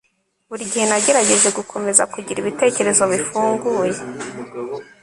Buri gihe nagerageje gukomeza kugira ibitekerezo bifunguye